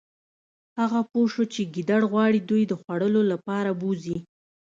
هغه پوه شو چې ګیدړ غواړي دوی د خوړلو لپاره بوزي